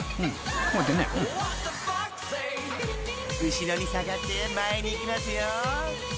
［後ろに下がって前に行きますよ］